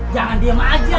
jangan diem aja